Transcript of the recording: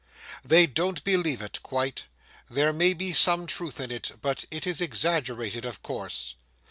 They don't believe it quite,—there may be some truth in it, but it is exaggerated, of course.